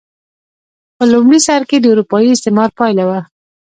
په لومړي سر کې د اروپايي استعمار پایله وه.